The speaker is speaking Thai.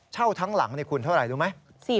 ทั้งหลังคุณเท่าไหร่รู้ไหม